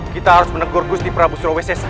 kita harus menegur gusti prabu surawi sesa